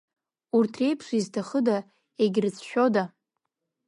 Урҭ сеиԥш изҭахыда, егьрыцәшәода?